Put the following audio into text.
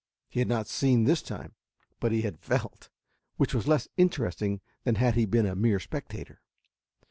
He had not seen this time, but he had felt, which was less interesting than had he been a mere spectator.